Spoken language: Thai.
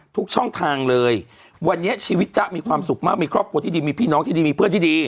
ทุกช่องทางเลยวันนี้ชีวิตจ๊ะมีความสุขมากมีครอบครัวที่ดีมีพี่น้องที่ดีมีเพื่อนที่ดี